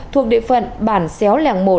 thuộc địa phận bản xéo lèng một